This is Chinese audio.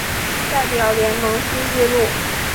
代表联盟新纪录